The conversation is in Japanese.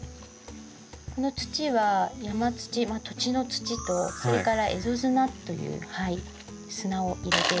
この土は山土土地の土とそれから蝦夷砂という砂を入れている。